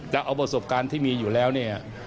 เราเอาประสบการณ์ที่มีอยู่แล้วเนี่ย